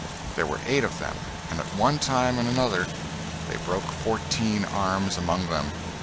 There were eight of them, and at one time and another they broke fourteen arms among them.